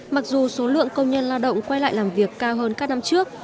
mặc dù số lượng công nhân lao động quay lại làm việc cao hơn các năm trước